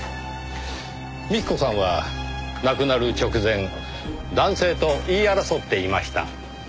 幹子さんは亡くなる直前男性と言い争っていました。